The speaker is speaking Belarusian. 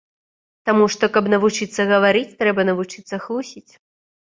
Таму што, каб навучыцца гаварыць, трэба навучыцца хлусіць.